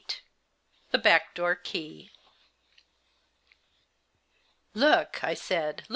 THE BACK DOOR KEY. 'LOOK!" I said.